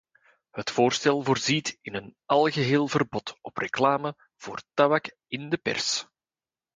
Het voorstel voorziet in een algeheel verbod op reclame voor tabak in de pers.